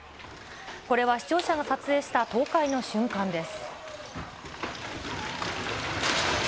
これは視聴者が撮影した倒壊の瞬間です。